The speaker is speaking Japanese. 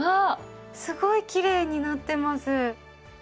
すごいきれいになってます。